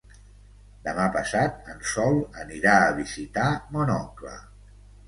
Demà passat en Sol anirà a visitar mon oncle.